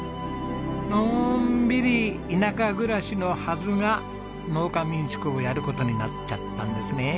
のんびり田舎暮らしのはずが農家民宿をやる事になっちゃったんですね。